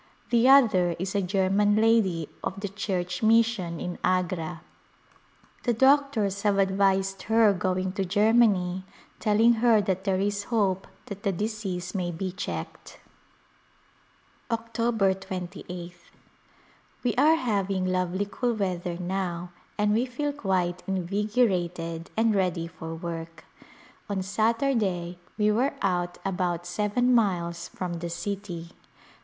The other is a German lady of the Church Mission in Agra. The doctors have ,[ 247 ] A Glmtpse of India advised her going to Germany, telling her that there is hope that the disease may be checked. October 28th. We are having lovely cool weather now and we feel quite invigorated and ready for work. On Satur day we were out about seven miles from the city.